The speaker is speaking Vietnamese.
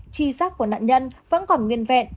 chi sát của nạn nhân vẫn còn nguyên vẹn